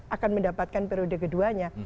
akan mendapatkan periode keduanya